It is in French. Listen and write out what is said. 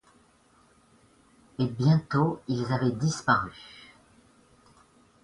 Et bientôt ils avaient disparu.